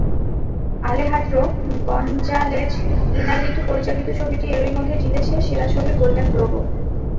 Alejandro Gonzalez Inarritu পরিচালিত ছবিটি এরই মধ্যে জিতেছে সেরা ছবির গোল্ডেন গ্লোবও।